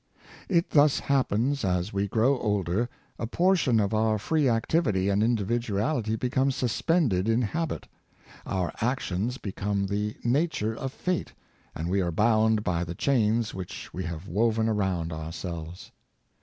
It thus happens as we grow older, a portion of our free activity and individuality Habits Constitute Character, 607 becomes suspended in habit, our actions become of the nature of fate, and we are bound by the chains which we have woven around ourselves.